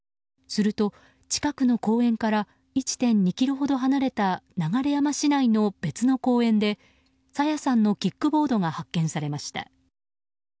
すると、近くの公園から１．２ｋｍほど離れた流山市内の別の公園で朝芽さんのキックボードが発見されました。